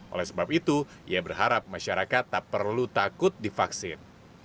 oleh sebab itu ia berharap masyarakat tak perlu takut divaksin